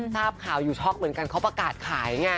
เราก็รู้แล้วว่าไม่ได้นะ